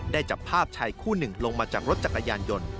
จับภาพชายคู่หนึ่งลงมาจากรถจักรยานยนต์